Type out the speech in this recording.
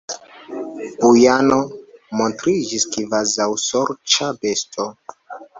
Bujano montriĝis kvazaŭ sorĉa besto.